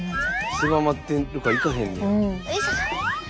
狭まってるから行かへんねや。